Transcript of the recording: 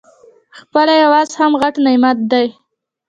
ښکلی اواز هم غټ نعمت دی.